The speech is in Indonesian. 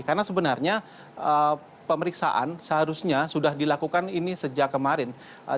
karena sebenarnya pemeriksaan seharusnya sudah dilakukan ini sejak kemarin